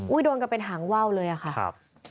โอ๊ยโดนกันเป็นหางเว้าเลยค่ะ